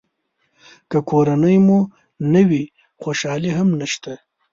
که کورنۍ مو نه وي خوشالي هم نشته.